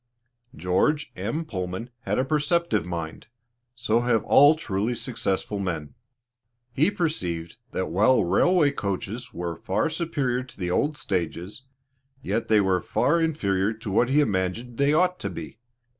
George M. Pullman had a perceptive mind so have all truly successful men. He perceived that while the railway coaches were far superior to the old stages, yet they were far inferior to what he imagined they ought to be.